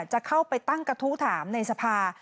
จะเข้าไปตั้งกระทู้ถามในสภา